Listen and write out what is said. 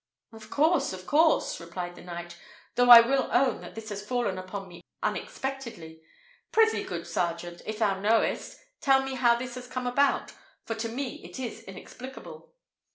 "Of course, of course!" replied the knight, "though I will own that this has fallen upon me unexpectedly. Pr'ythee, good sergeant, if thou knowest, tell me how this has come about, for to me it is inexplicable."